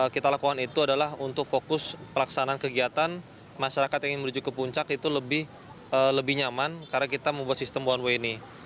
kita lakukan itu adalah untuk fokus pelaksanaan kegiatan masyarakat yang ingin menuju ke puncak itu lebih nyaman karena kita membuat sistem one way ini